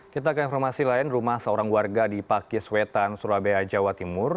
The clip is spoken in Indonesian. kita akan informasi lain rumah seorang warga di pakiswetan surabaya jawa timur